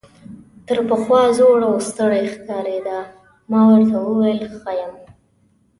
تر پخوا زوړ او ستړی ښکارېده، ما ورته وویل ښه یم.